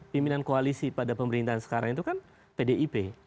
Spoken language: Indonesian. pimpinan koalisi pada pemerintahan sekarang itu kan pdip